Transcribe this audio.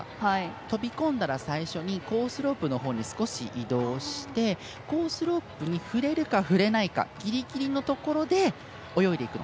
飛び込んだら最初にコースロープのほうに少し移動してコースロープに触れるか触れないかギリギリのところで泳いでいくの。